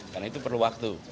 karena itu perlu waktu